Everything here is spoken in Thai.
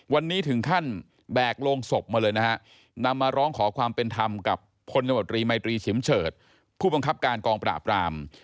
วันนี้ถึงขั้นแบกโรงศพมาเลยนะฮะนำมาร้องขอความเป็นธรรมกับพลตมตรีไมตรีฉิมเฉิดผู้บังคับการกองปราบราม